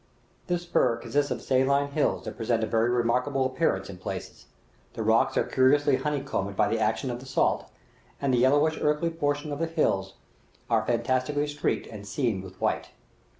This spur consists of saline hills that present a very remarkable appearance in places; the rocks are curiously honey combed by the action of the salt, and the yellowish earthy portion of the hills are fantastically streaked and seamed with white.